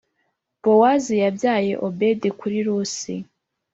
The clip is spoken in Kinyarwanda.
Bowazi yabyaye Obedi kuri Rusi,